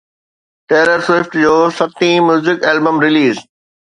tailor Swift جو ستين music album release